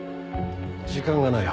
時間がない。